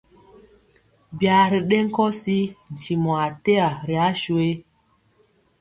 Byaa ri ɗe nkɔsi ntimɔ ateya ri asuye?